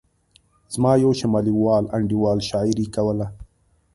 زما یو شمالي وال انډیوال شاعري کوله.